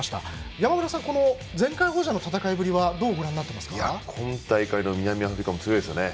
山村さん、前回王者の戦いぶりは今大会の南アフリカも強いですよね。